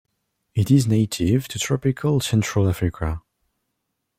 It is native to tropical central Africa.